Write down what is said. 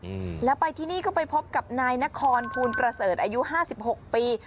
อืมแล้วไปที่นี่ก็ไปพบกับนายนครภูลประเสริฐอายุห้าสิบหกปี